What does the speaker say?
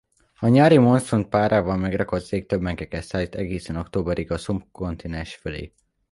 A nyári monszun párával megrakott légtömegeket szállít egészen októberig a szubkontinens fölé.